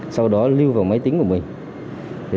sau đó lưu vào máy tính của mình